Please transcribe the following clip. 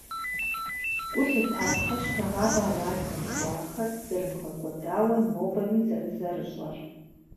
Гу лъытапхъэщ нэгъабэ а лагерым кӏуахэр зэрымыгъэкӏуэдауэ нобэми зэрызэрыщӏэр.